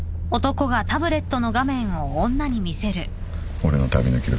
俺の旅の記録。